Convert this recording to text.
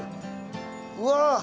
うわ！